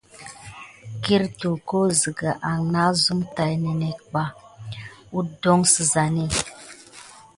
Eritudi ho siga nasim mà taïɓa vaki ninet ba ha da ki kumda sinani.